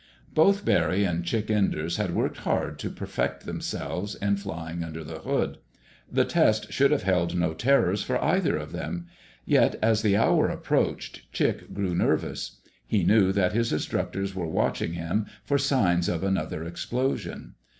Both Barry and Chick Enders had worked hard to perfect themselves in flying "under the hood." The test should have held no terrors for either of them. Yet, as the hour approached, Chick grew nervous. He knew that his instructors were watching him for signs of another explosion.